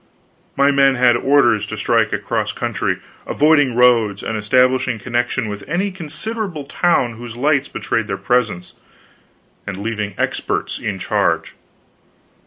My men had orders to strike across country, avoiding roads, and establishing connection with any considerable towns whose lights betrayed their presence, and leaving experts in charge.